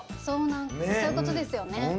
そういうことですよね。